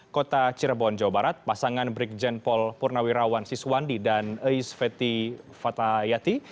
kota cirebon jawa barat pasangan brigjen pol purnawirawan siswandi dan ais feti fatayati